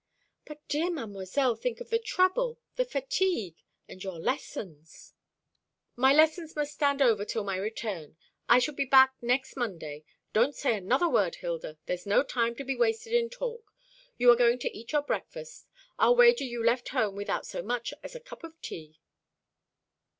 "But, dear Mademoiselle, think of the trouble, the fatigue and your lessons." "My lessons must stand over till my return. I shall be back next Monday. Don't say another word, Hilda. There's no time to be wasted in talk. You are going to eat your breakfast. I'll wager you left home without so much as a cup of tea."